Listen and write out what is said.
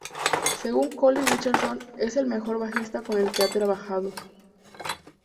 Según Colin Richardson, es el mejor bajista con el que ha trabajado.